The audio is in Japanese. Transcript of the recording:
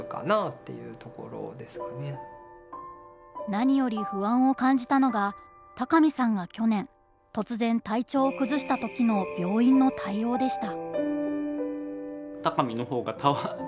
何より不安を感じたのが鷹見さんが去年突然体調を崩した時の病院の対応でした。